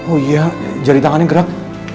oh iya jari tangannya gerak